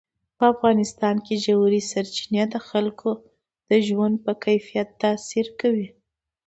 په افغانستان کې ژورې سرچینې د خلکو د ژوند په کیفیت تاثیر کوي.